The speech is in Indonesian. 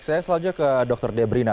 saya selanjutnya ke dr debrina